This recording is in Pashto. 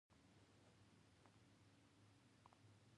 زه د جرم دفاع نه کوم.